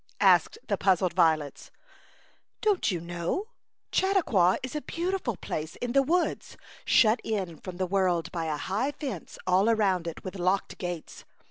asked the puzzled violets. " Don't you know ? Chautauqua is a beautiful place in the woods, shut in from the world by a high fence all around it, with locked gates.